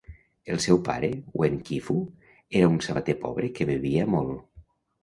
El seu pare, Wen Qifu, era un sabater pobre que bevia molt.